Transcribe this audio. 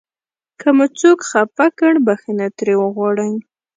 که مو څوک خفه کړ بښنه ترې وغواړئ.